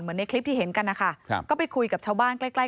ในคลิปที่เห็นกันนะคะก็ไปคุยกับชาวบ้านใกล้ใกล้